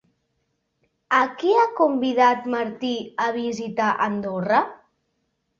A qui ha convidat Martí a visitar Andorra?